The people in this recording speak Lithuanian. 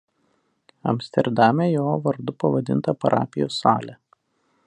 Amsterdame jo vardu pavadinta parapijos salė.